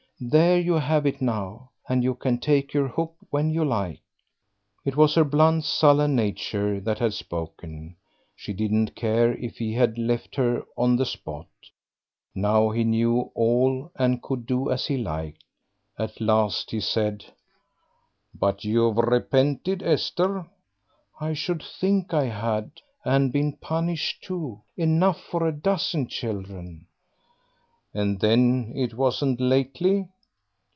There, you have it now, and you can take your hook when you like." It was her blunt, sullen nature that had spoken; she didn't care if he left her on the spot now he knew all and could do as he liked. At last, he said "But you've repented, Esther?" "I should think I had, and been punished too, enough for a dozen children." "Ah, then it wasn't lately?"